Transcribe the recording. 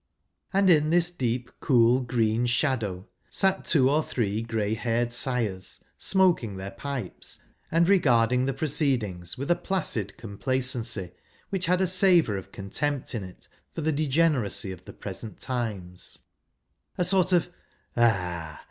And in this deep, cool, green shadow sate two or three grey haired sires, smoking their pipes, and regarding the proceedings with a placid complacency, which had a savour of contempt in it for the' degeneracy of the present times — a sort of " Ah